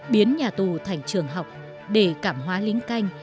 biến nhà tù thành trường học để cảm hóa lính canh